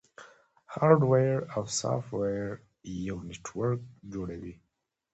هارډویر او سافټویر یو نیټورک جوړوي.